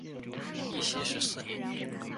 义熙十四年。